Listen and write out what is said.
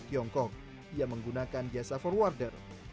tiongkok dia menggunakan biasa forwarder